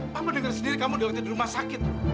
papa denger sendiri kamu di rumah sakit